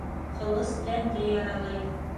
Ҡылыс тәнде яралай